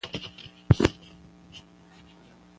که ستونزې رښتینې وي نو حل یې ممکن دی.